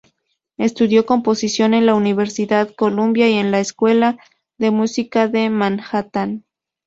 Estudió composición en la Universidad Columbia y en la Escuela de Música de Manhattan.